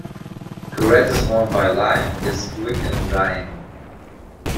Credit won by lying is quick in dying.